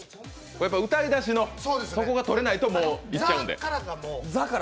歌い出しのそこが取れないといっちゃうんで。